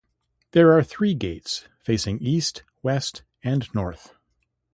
There are three gates facing east, west, and north.